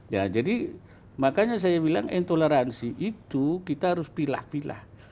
ya jadi makanya saya bilang intoleransi itu kita harus pilah pilah